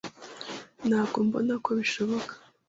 Ntabwo mbona ko bishoboka.